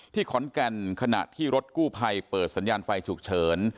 ขอนแก่นขณะที่รถกู้ภัยเปิดสัญญาณไฟฉุกเฉิน